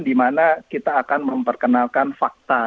di mana kita akan memperkenalkan fakta